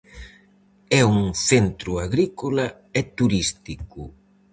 É un centro agrícola e turístico.